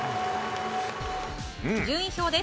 順位表です。